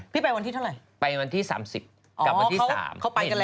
พี่ไปหัวหินมาเราติดไหม